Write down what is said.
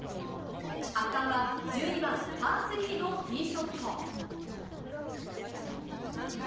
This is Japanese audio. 圧巻は１２番、パー３のティーショット。